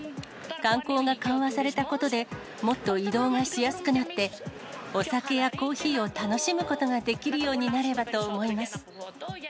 観光が緩和されたことで、もっと移動がしやすくなって、お酒やコーヒーを楽しむことができるようになればと思います。